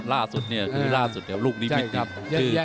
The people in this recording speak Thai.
ล่าสุดนี่ครับลูกนี้มิดหื้อเก่าลีน่าสุดสิงคลองศรี